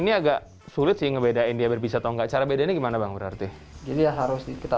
dan ini agak sulit sih ngebedain dia bisa atau nggak cara bedanya gimana bang berarti jadi harus kita